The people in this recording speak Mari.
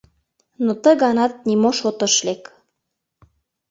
Но ты ганат нимо шот ыш лек.